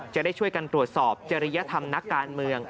จะได้ช่วยกันตรวจสอบจริยธรรมนักการเมือง